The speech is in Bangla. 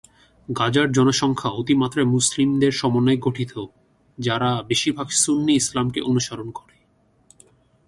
গাজার জনসংখ্যা অতিমাত্রায় মুসলিমদের সমন্বয়ে গঠিত, যারা বেশিরভাগ সুন্নি ইসলামকে অনুসরণ করে।